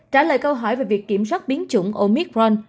trả lời câu hỏi về việc kiểm soát biến chủng omicron